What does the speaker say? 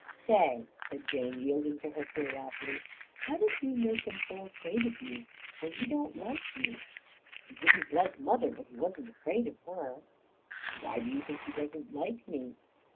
"Say," said Jane, yielding to her curiosity, "how did you make him so afraid of you when he don't like you? He didn't like mother, but he wasn't afraid of her." "Why do you think he doesn't like me?"